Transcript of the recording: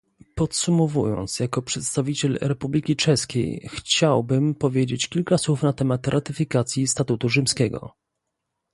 Podsumowując, jako przedstawiciel Republiki Czeskiej chciałbym powiedzieć kilka słów na temat ratyfikacji statutu rzymskiego